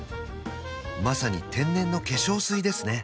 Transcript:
まさに天然の化粧水ですね